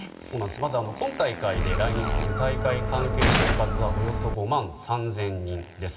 まず今大会で来日する大会関係者の数はおよそ５万３０００人です。